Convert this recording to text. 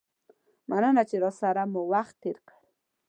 مننه چې راسره مو وخت تیر کړ.